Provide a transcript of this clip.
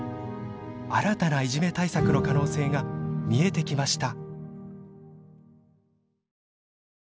新たないじめ対策の可能性が見えてきました。